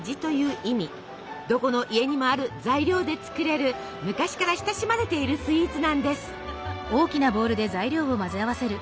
どこの家にもある材料で作れる昔から親しまれているスイーツなんです。